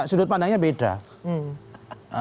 sudut pandangnya beda